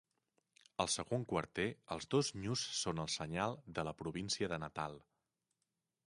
Al segon quarter, els dos nyus són el senyal de la província de Natal.